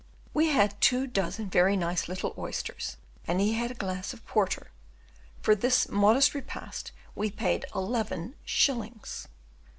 We had two dozen very nice little oysters, and he had a glass of porter: for this modest repast we paid eleven shillings!